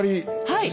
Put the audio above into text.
はい！